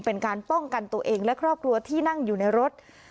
เป็นการป้องกันตัวเองและครอบครัวที่นั่งอยู่ในรถ